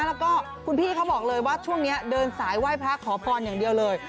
แล้วก็คุณพี่เขาบอกเลยว่าช่วงนี้เดินสายไหว้พระขอพรอย่างเดียวเลย